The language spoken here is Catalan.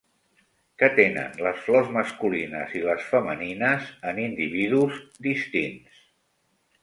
Que tenen les flors masculines i les femenines en individus distints.